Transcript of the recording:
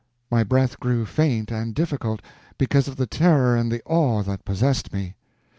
My breath grew faint and difficult, because of the terror and the awe that possessed me.